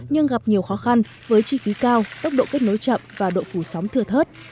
nhưng gặp nhiều khó khăn với chi phí cao tốc độ kết nối chậm và độ phủ sóng thừa thớt